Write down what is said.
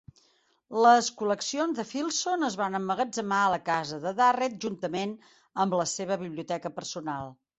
Les col·leccions de Filson es van emmagatzemar a la casa de Durrett juntament amb la seva biblioteca personal.